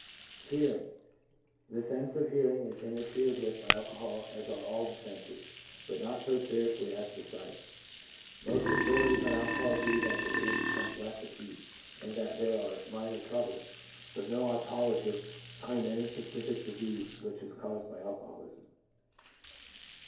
Hearing. — The sense of hearing is interfered with by alcohol as are all the senses, but not so seriously as the sight. Most authorities on alcohol agree that the hearing becomes less acute, and that there are minor troubles, but no otologists claim any specific disease which is caused by alcoholism.